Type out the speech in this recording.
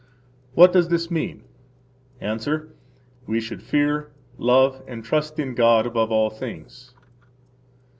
What does this mean? –Answer: We should fear, love, and trust in God above all things.